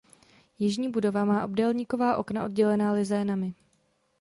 Jižní budova má obdélníková okna oddělená lizénami.